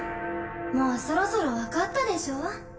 もうそろそろ分かったでしょ